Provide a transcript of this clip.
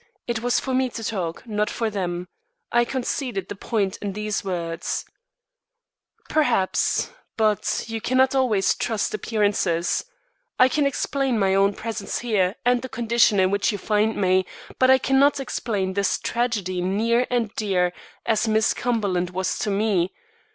It was for me to talk, not for them. I conceded the point in these words: "Perhaps but you cannot always trust appearances. I can explain my own presence here and the condition in which you find me, but I cannot explain this tragedy, near and dear as Miss Cumberland was to me.